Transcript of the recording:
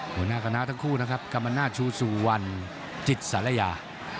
หัวหน้าคณะทั้งคู่นะครับกรรมนาศชูสุวรรณจิตศาลายา